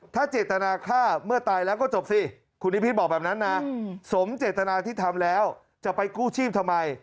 ถ้าเจตนาฆ่าเมื่อตายแล้วก็จบสิคุณนิพิษบอกแบบนั้นนะสมเจตนาที่ทำแล้วจะไปกู้ชีพทำไม